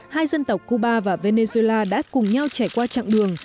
hai dân tộc cuba và venezuela đã cùng nhau trải qua chặng đường